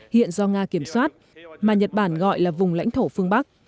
hiện do nga kiểm soát mà nhật bản gọi là vùng lãnh thổ phương bắc